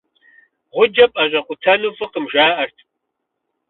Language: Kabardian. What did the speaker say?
Гъуджэ пӀэщӀэкъутэну фӀыкъым, жаӀэрт.